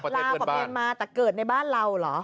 ลาวกับเมียนมาแต่เกิดในบ้านเราเหรอ